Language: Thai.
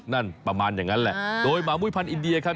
นั่นประมาณอย่างนั้นแหละโดยหมามุ้ยพันธ์อินเดียครับ